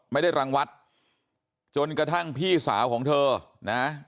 ไม่ได้รังวัดจนกระทั่งพี่สาวของเธอนะ